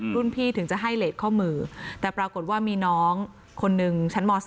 พี่ถึงจะให้เลสข้อมือแต่ปรากฏว่ามีน้องคนหนึ่งชั้นม๓